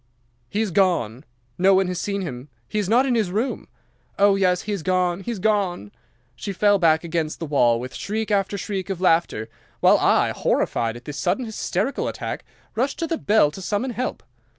"'"He is gone. No one has seen him. He is not in his room. Oh, yes, he is gone, he is gone!" She fell back against the wall with shriek after shriek of laughter, while I, horrified at this sudden hysterical attack, rushed to the bell to summon help.